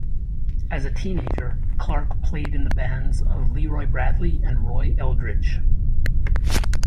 As a teenager, Clarke played in the bands of Leroy Bradley and Roy Eldridge.